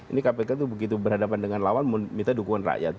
ini kpk itu begitu berhadapan dengan lawan minta dukungan rakyat